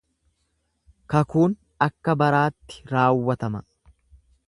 Kakuun akka baraatti raawwatama.